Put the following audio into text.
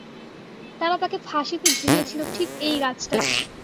তারা তাকে ফাঁসিতে ঝুলিয়েছিল ঠিক এই গাছটা তে।